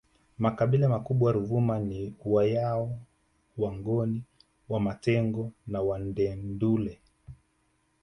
Makabila makubwa Ruvuma ni Wayao Wangoni Wamatengo na Wandendeule